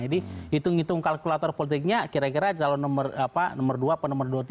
jadi hitung hitung kalkulator politiknya kira kira calon nomor apa nomor dua atau nomor dua tiga